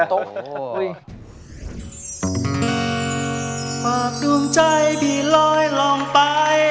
ฝากดวงใจพี่ลอยลองไป